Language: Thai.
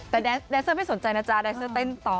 แต่แดนเซอร์ไม่สนใจนะจ๊ะแดนเซอร์เต้นต่อ